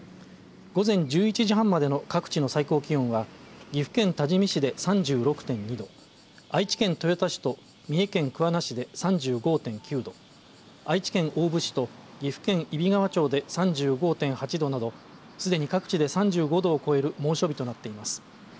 午前１１時半までの各地の最高気温は岐阜県多治見市で３６．２度愛知県豊田市と三重県桑名市で３５．９度愛知県大府市と岐阜県揖斐川町で３５．８度などすでに各地で３５度を超える猛暑日となっています。